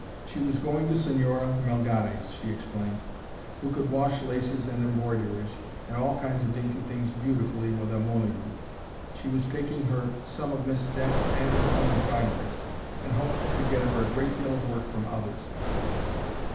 She was going to Señora Melgares, she explained, who could wash laces and embroideries and all kinds of dainty things beautifully with amole root. She was taking her some of Miss Dent's and her own fineries, and hoped to get her a great deal of work from others.